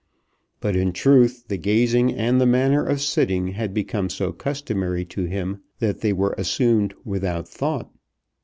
But in truth the gazing and the manner of sitting had become so customary to him that they were assumed without thought.